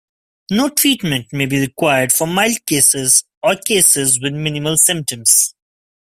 No treatment may be required for mild cases or cases with minimal symptoms.